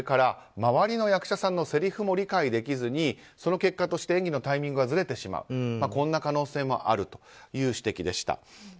周りの役者さんの演技が理解できずに、その結果として演技のタイミングがずれてしまう可能性もあるという指摘でした。